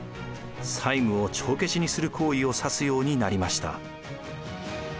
債務を帳消しにする行為を指すようになりました。